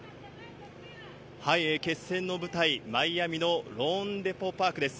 決戦の舞台、マイアミのローンデポ・パークです。